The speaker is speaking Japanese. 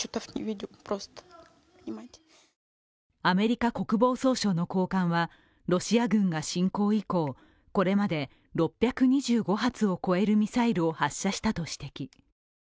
アメリカ国防総省の高官は、ロシア軍が侵攻以降、これまで６２５発を超えるミサイルを発射したと指摘。